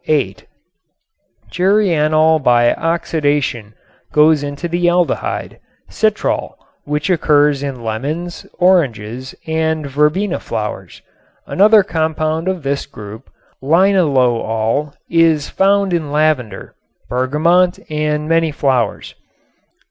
Geraniol by oxidation goes into the aldehyde, citral, which occurs in lemons, oranges and verbena flowers. Another compound of this group, linalool, is found in lavender, bergamot and many flowers.